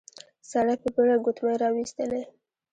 سړی په بېړه ګوتمی راويستلې.